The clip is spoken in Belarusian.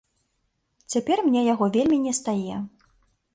Цяпер мне яго вельмі не стае.